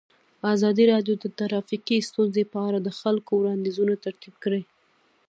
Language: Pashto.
ازادي راډیو د ټرافیکي ستونزې په اړه د خلکو وړاندیزونه ترتیب کړي.